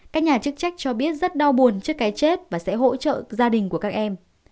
các nhà chức trách cho biết rất đau buồn trước cái chết và sẽ hỗ trợ gia đình của các em